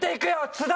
津田！